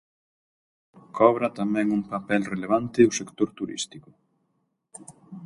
Cobra tamén un papel relevante o sector turístico.